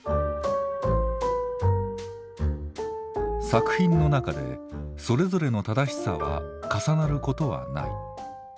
作品の中でそれぞれの「正しさ」は重なることはない。